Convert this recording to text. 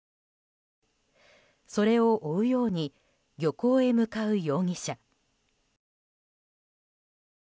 それを追うように漁港へ向かう容疑者。